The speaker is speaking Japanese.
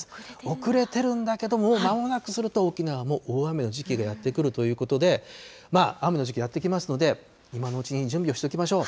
遅れてるんだけども、もうまもなくすると沖縄も大雨の時期がやって来るということで、雨の時期やって来ますので、今のうちに準備をしておきましょう。